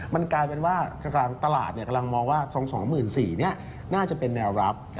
มันกลายเป็นว่ากลางตลาดกำลังมองว่า๒๔๐๐น่าจะเป็นแนวรับ